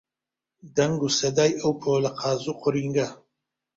دەنگ و سەدای ئەو پۆلە قاز و قورینگە